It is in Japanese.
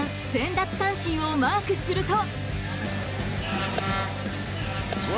奪三振をマークすると。